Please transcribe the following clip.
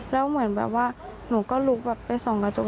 แล้วเหมือนแบบว่าหนูก็ลุกไป๒กระจก